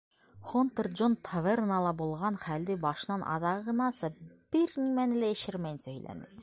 Һонтор Джон тавернала булған хәлде башынан аҙағынаса, бер нимәне лә йәшермәйенсә һөйләне.